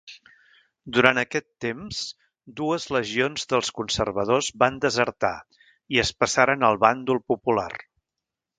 Durant aquest temps, dues legions dels conservadors van desertar i es passaren al bàndol popular.